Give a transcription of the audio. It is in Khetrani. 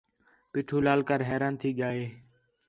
پیٹھو لال کر حیران تھی ڳِیا ہِے